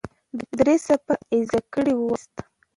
درې څپه ايزه ګړې وواياست.